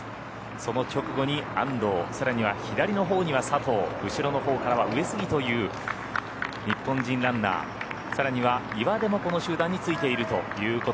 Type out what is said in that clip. その直後に安藤さらには左のほうには佐藤、後ろのほうからは上杉という日本人ランナーさらには岩出もこの集団についていると。